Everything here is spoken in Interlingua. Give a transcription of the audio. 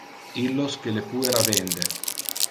Illos que le puera vende.